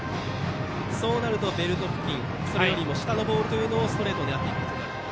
そうなるとベルト付近それより下のボールをストレート狙っていくことになると。